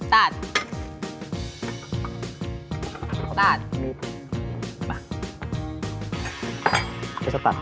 ฮิลิรกิทามีจำตนิด